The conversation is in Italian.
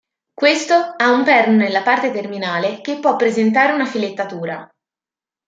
Questo ha un perno nella parte terminale che può presentare una filettatura.